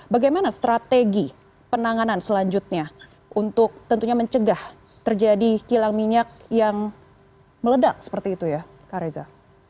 bagaimana strategi penanganan selanjutnya untuk tentunya mencegah terjadi kilang minyak yang meledak seperti itu ya kak reza